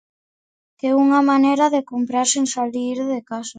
É unha manera de comprar sen salir de casa.